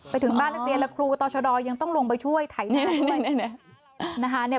ไปถึงบ้านนักเรียนแล้วครูก่อตรชอธรยายังต้องลงไปช่วยถ่ายนาเอง